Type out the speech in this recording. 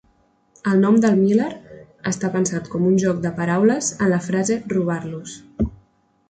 El nom del Miller està pensat com un joc de paraules en la frase "robar-los".